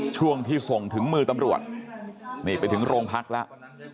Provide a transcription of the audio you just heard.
ช่วงที่ส่งถึงมือตำรวจนี่ไปถึงโรงพักแล้ว